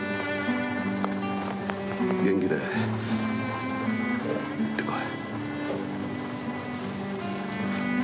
元気で行ってこい。